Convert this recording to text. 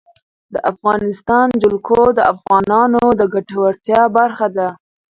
د افغانستان جلکو د افغانانو د ګټورتیا برخه ده.